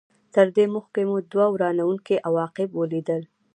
تر دې مخکې مو دوه ورانوونکي عواقب ولیدل.